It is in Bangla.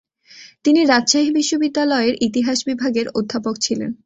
তিনি রাজশাহী বিশ্ববিদ্যালয়ের ইতিহাস বিভাগের অধ্যাপক ছিলেন।